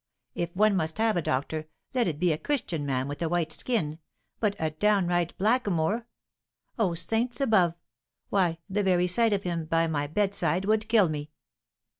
if one must have a doctor, let it be a Christian man with a white skin; but a downright blackamoor! O saints above! why, the very sight of him by my bedside would kill me!"